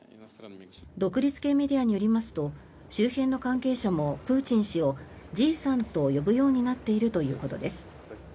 独立系メディアによりますと周辺の関係者もプーチン氏をじいさんと呼ぶようになっているということです。